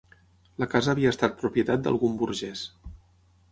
La casa havia estat propietat d'algun burgès